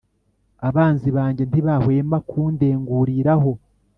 abanzi banjye ntibahwema kundenguriraho.